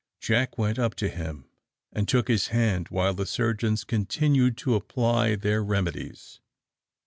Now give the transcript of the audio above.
Jack went up to him and took his hand, while the surgeons continued to apply their remedies.